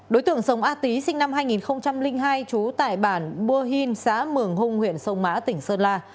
đối tượng sống a tý sinh năm hai nghìn hai trú tại bản bua hin xã mường hung huyện sông mã tỉnh sơn la